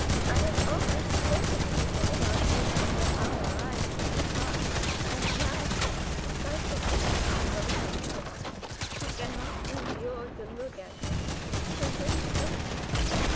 I have often spoken to him about making der Arme ride too far, and now the sight of me reminds him of it; he can not endure to look at me. Heaven help me!